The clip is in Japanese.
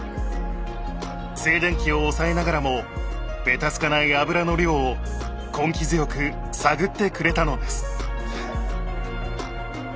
静電気を抑えながらもべたつかない油の量を根気強く探ってくれたのです。